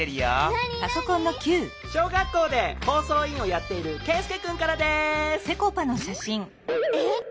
何？小学校で放送委員をやっているケイスケくんからです！え